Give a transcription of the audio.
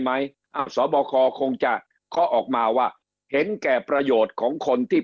ไหมอ้าวสบคคงจะเคาะออกมาว่าเห็นแก่ประโยชน์ของคนที่